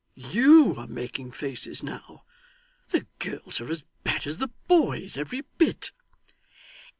YOU are making faces now. The girls are as bad as the boys every bit!